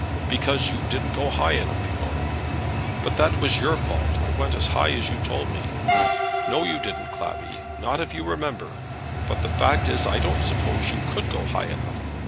"Because you didn't go high enough, you know." "But that was your fault. I went as high as you told me." "No, you didn't, Clavvy; not if you remember. But the fact is, I don't suppose you could go high enough.